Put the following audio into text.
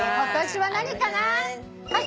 はい。